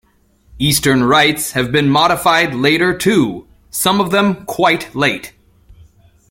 Eastern rites have been modified later too; some of them quite late.